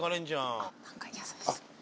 あっ何か優しそう。